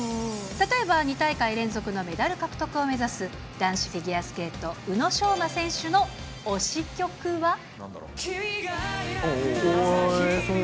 例えば２大会連続のメダル獲得を目指す、男子フィギュアスケート、宇野昌磨選手の推し曲は。